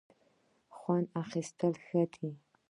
خوند اخیستل ښه دی.